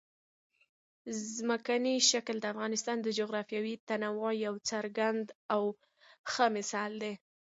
ځمکنی شکل د افغانستان د جغرافیوي تنوع یو څرګند او ښه مثال دی.